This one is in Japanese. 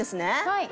はい。